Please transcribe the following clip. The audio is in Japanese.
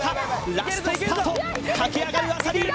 ラストスパート駆け上がる浅利！